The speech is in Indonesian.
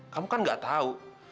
kamu kan enggak tahu